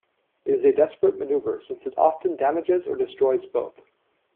It is a desperate maneuver since it often damages or destroys both.